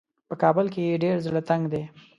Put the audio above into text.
په کابل کې یې ډېر زړه تنګ دی.